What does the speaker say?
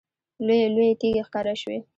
لویې لویې تیږې ښکاره شوې.